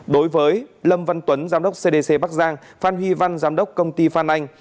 đối với lâm văn tuấn giám đốc cdc bắc giang phan huy văn giám đốc công ty phan anh